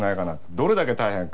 どれだけ大変か。